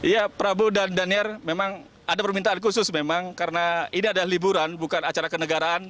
ya prabu dan daniar memang ada permintaan khusus memang karena ini adalah liburan bukan acara kenegaraan